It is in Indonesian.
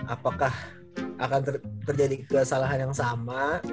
apakah akan terjadi kesalahan yang sama